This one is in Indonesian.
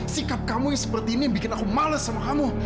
sikap kamu yang seperti ini bikin aku males sama kamu